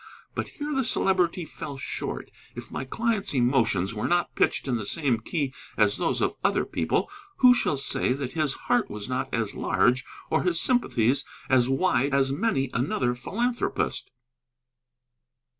But here the Celebrity fell short, if my client's emotions were not pitched in the same key as those of other people, who shall say that his heart was not as large or his sympathies as wide as many another philanthropist?